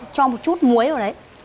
cho một chút muối vào đấy